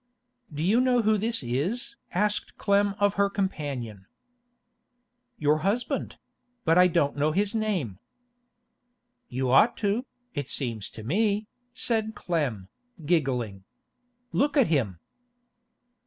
'Do you know who it is?' asked Clem of her companion. 'Your husband—but I don't know his name.' 'You ought to, it seems to me,' said Clem, giggling. 'Look at him.